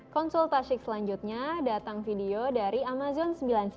konsultasik selanjutnya datang video dari amazon sembilan puluh sembilan